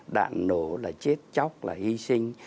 đạn nổ là chết chóc là hy sinh